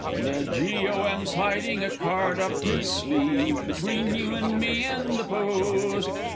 _ The G. O. M.'s hiding a card up his sleeve. Between you and me and the Post!